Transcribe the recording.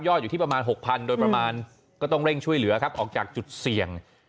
อยู่ที่ประมาณ๖๐๐๐โดยประมาณก็ต้องเร่งช่วยเหลือครับออกจากจุดเสี่ยง